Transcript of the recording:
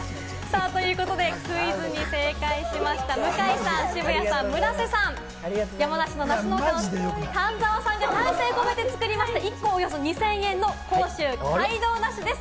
クイズに正解しました、向井さん、渋谷さん、村瀬さん、丹澤さんが丹精込めて作りました１個およそ２０００円の甲州街道梨です。